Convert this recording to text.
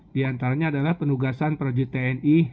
di antaranya adalah penugasan prajurit tni